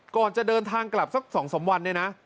ก่อนจะเดินทางกลับสัก๒๓วันเนี่ยนะ